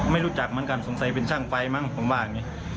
ไม่รู้จักเหมือนกันสงสัยเป็นช่างไฟมั้งผมว่าอย่างนี้